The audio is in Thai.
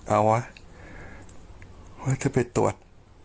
เอาวะว่าจะไปตรวจ